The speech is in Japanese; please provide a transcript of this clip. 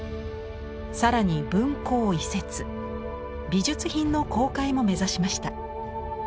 更に文庫を移設美術品の公開も目指しました。